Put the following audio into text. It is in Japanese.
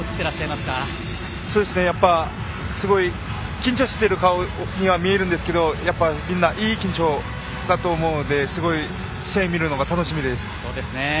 すごい、緊張している顔には見えますがみんないい緊張だと思うのですごく試合を見るのが楽しみです。